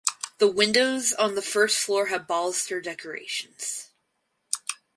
The windows on the first floor have baluster decorations.